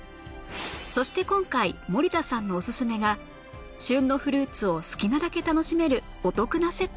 そして今回森田さんのおすすめが旬のフルーツを好きなだけ楽しめるお得なセット